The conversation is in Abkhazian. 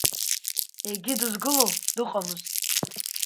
Егьи дызгыло дыҟамызт…